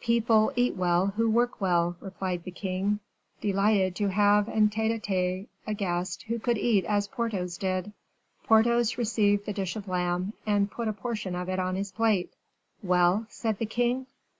"People eat well who work well," replied the king, delighted to have en tete a tete a guest who could eat as Porthos did. Porthos received the dish of lamb, and put a portion of it on his plate. "Well?" said the king.